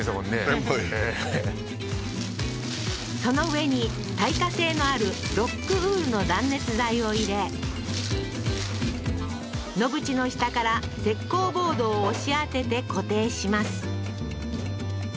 テンポいいその上に耐火性のあるロックウールの断熱材を入れ野縁の下から石膏ボードを押し当てて固定します